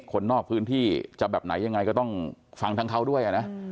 คนนอกพื้นที่จะแบบไหนยังไงก็ต้องฟังทั้งเขาด้วยนะ